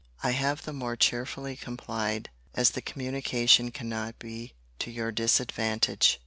I have the more cheerfully complied, as the communication cannot be to your disadvantage.